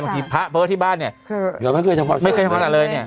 บางทีพระเพิศที่บ้านเนี่ยไม่เคยทำความสะอาดเลยเนี่ย